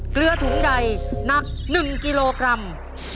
เกลือถุงใดหนัก๑กิโลกรัม